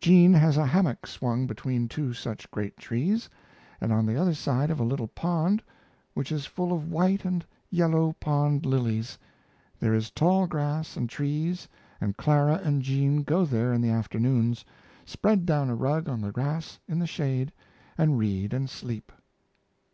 Jean has a hammock swung between two such great trees, & on the other side of a little pond, which is full of white & yellow pond lilies, there is tall grass & trees & Clara & Jean go there in the afternoons, spread down a rug on the grass in the shade & read & sleep.